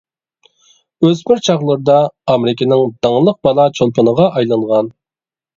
ئۆسمۈر چاغلىرىدا ئامېرىكىنىڭ داڭلىق بالا چولپىنىغا ئايلانغان.